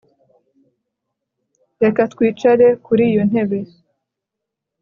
Reka twicare kuri iyo ntebe